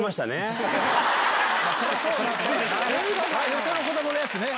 よその子どものやつね。